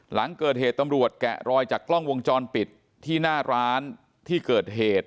หลังเกิดเหตุตำรวจแกะรอยจากกล้องวงจรปิดที่หน้าร้านที่เกิดเหตุ